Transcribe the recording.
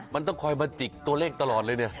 มันต้องคอยมาจิกตัวเลขตลอดเลยเนี่ย